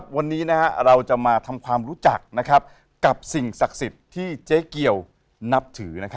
วันนี้เราจะมาทำความรู้จักกับสิ่งศักดิ์สิทธิ์ที่เจ๊เกียวนับถือ